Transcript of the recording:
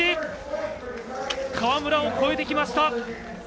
川村を超えてきました。